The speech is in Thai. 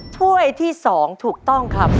ถ้วยที่๒ถูกต้องครับ